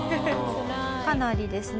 かなりですね